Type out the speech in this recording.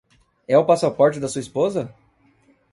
É o passaporte da sua esposa?